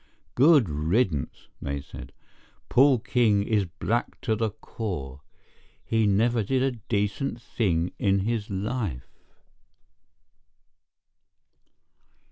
"Good riddance," they said. "Paul King is black to the core. He never did a decent thing in his life."